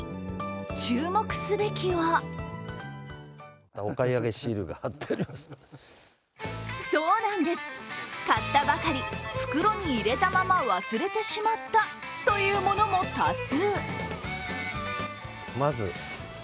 注目すべきはそうなんです、買ったばかり、袋に入れたまま忘れてしまったというものも多数。